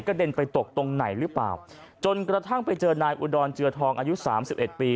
เด็นไปตกตรงไหนหรือเปล่าจนกระทั่งไปเจอนายอุดรเจือทองอายุสามสิบเอ็ดปี